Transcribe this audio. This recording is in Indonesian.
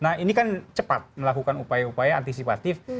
nah ini kan cepat melakukan upaya upaya antisipatif